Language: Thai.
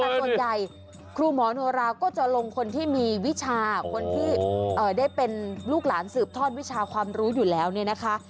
แต่ส่วนใหญ่ครูหมอโนราก็จะลงคนที่มีวิชาคนที่ได้เป็นลูกหลานสืบทอดวิชาความรู้อยู่แล้วเนี่ยนะคะ